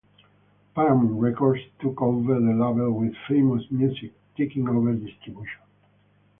Paramount Records took over the label with Famous Music taking over distribution.